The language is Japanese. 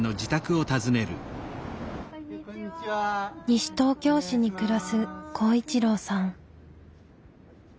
西東京市に暮らす公一郎さん。